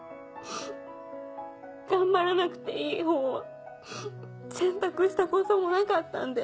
頑張らなくていいほうを選択したこともなかったんで。